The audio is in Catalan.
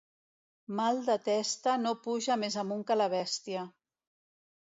Mal de testa no puja més amunt que la bèstia.